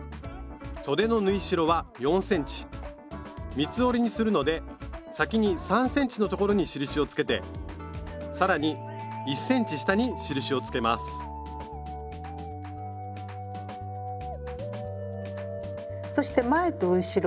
三つ折りにするので先に３ｃｍの所に印をつけて更に１ｃｍ下に印をつけますそして前と後ろ。